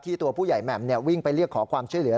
ตัวผู้ใหญ่แหม่มวิ่งไปเรียกขอความช่วยเหลือ